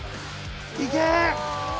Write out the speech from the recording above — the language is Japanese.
行け！